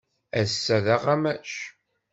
Ass-a d aɣamac.